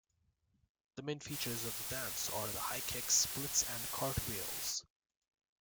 The main features of the dance are the high kicks, splits and cartwheels.